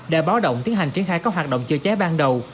để báo động tiến hành triển khai các hoạt động chữa cháy ban đầu